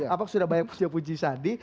apakah sudah banyak puja puji sandi